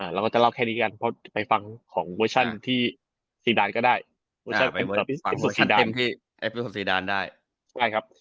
เราก็จะเล่าแค่นี้กันเพราะไปฟังของเวอร์ชั่นที่ซีดานก็ได้